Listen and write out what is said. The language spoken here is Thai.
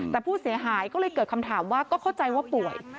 แต่ผู้เสียหายก็เลยเกิดคำถามว่าก็เข้าใจว่าป่วย